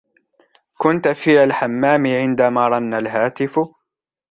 كنت في الحمام عندما رن الهاتف